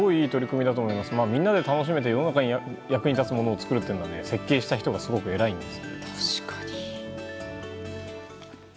みんなで楽しめて世の中の役に立つというのは設計した人がすごく偉いんです。